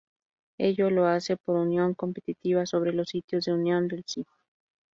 Ello lo hace por unión competitiva sobre los sitios de unión del Cl.